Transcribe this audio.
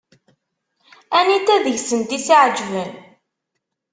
Anita deg-sent i s-iɛeǧben?